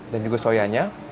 dan juga soyanya